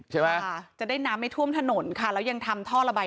ใช่ไหมค่ะจะได้น้ำไม่ท่วมถนนค่ะแล้วยังทำท่อระบาย